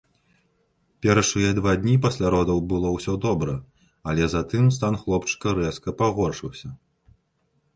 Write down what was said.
Першыя два дні пасля родаў было ўсё добра, але затым стан хлопчыка рэзка пагоршыўся.